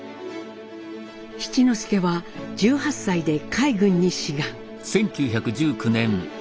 七之助は１８歳で海軍に志願。